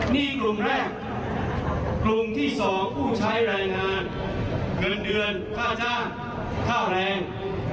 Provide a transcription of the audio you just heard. นี่กลุ่มแรกกลุ่มที่๒ผู้ใช้แรงงานเงินเดือนค่าจ้างค่าแรง